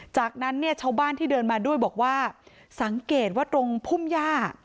จากนั้นเนี่ยชาวบ้านที่เดินมาด้วยบอกว่าสังเกตว่าตรงพุ่มย่า